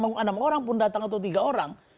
mau enam orang pun datang atau tiga orang